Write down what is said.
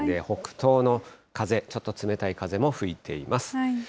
北東の風、ちょっと冷たい風も吹いています。